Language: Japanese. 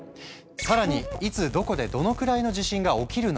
更にいつどこでどのくらいの地震が起きるのか？